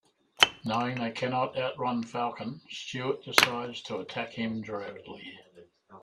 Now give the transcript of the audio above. Knowing they cannot outrun Falcon, Stuart decides to attack him directly.